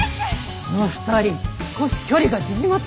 あの２人少し距離が縮まったのでは？